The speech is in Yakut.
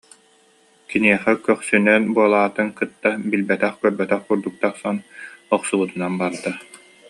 Киниэхэ көхсүнэн буолаатын кытта, билбэтэх-көрбөтөх курдук тахсан, охсубутунан барда